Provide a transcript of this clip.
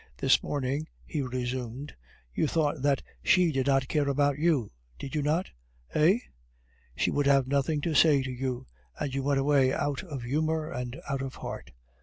"This morning," he resumed, "you thought that she did not care about you, did you not? Eh? She would have nothing to say to you, and you went away out of humor and out of heart.